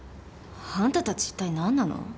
あんた達一体何なの？